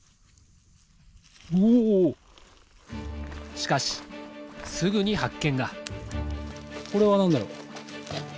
しかしすぐに発見がこれは何だろ。